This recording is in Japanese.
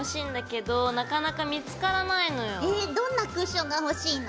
どんなクッションが欲しいの？